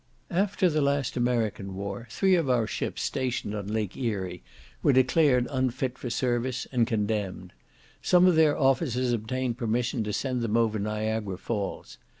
After the last American war, three of our ships stationed on Lake Erie were declared unfit for service, and condemned. Some of their officers obtained permission to send them over Niagara Falls.